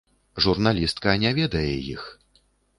Журналістка не ведае іх.